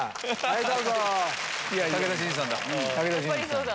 はいどうぞ。